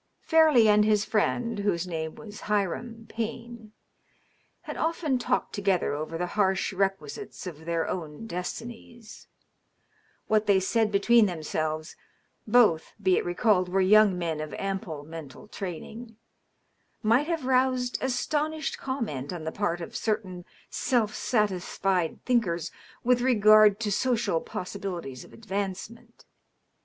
Fairleigh and his friend (whose name was Hiram Payne) had oft^en talked together over the harsh requisites of their own destinies. What they said between themselves (both, be it recalled, were young men of ample mental training) might have roused astonished comment on the part of certain self satisfied DOUGLAS DUANE. 639 thinkers with regard to social possibilities of advancement.